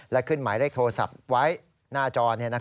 และขึ้นหมายเลขโทรศัพท์ไว้หน้าจอ